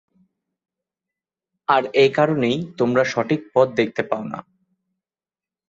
আর এ কারণেই তোমরা সঠিক পথ দেখতে পাও না।